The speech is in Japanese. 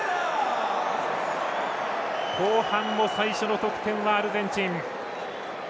後半の最初の得点はアルゼンチン。